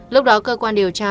lúc đó cơ quan điều tra